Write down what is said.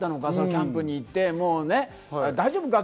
キャンプに行って大丈夫か？